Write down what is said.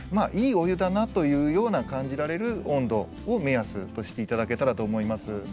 いいお湯だなというような感じられる温度を目安としていただけたらと思います。